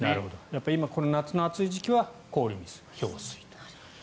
やっぱり今この夏の暑い時期は氷水と。